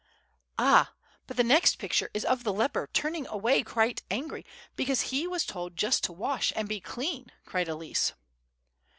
"Ah! but the next picture is of the leper turning away quite angry because he was told just to wash and be clean," cried Elsie.